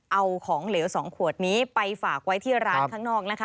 เอาของเหลว๒ขวดนี้ไปฝากไว้ที่ร้านข้างนอกนะคะ